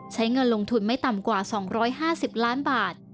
ใช้เงินลงทุนไม่ต่ำกว่า๒๕๐ล้านบาท